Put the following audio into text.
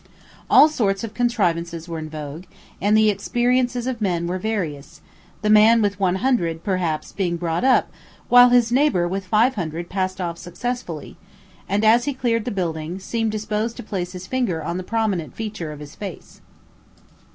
All sorts of contrivances were in vogue, and the experiences of men were various, the man with one hundred, perhaps, being brought up, while his neighbor with five hundred passed off successfully, and, as he cleared the building, seemed disposed to place his finger on the prominent feature of his face.